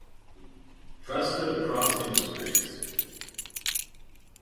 Trusted Across Industries